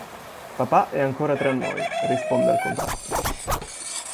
Papà è ancora tra noi, risponde al contatto.